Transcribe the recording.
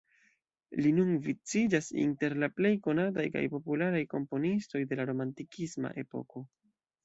Li nun viciĝas inter la plej konataj kaj popularaj komponistoj de la romantikisma epoko.